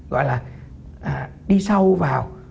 gọi là đi sâu vào